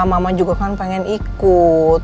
mama juga kan pengen ikut